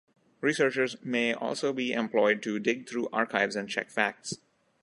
Researchers may also be employed to dig through archives and check facts.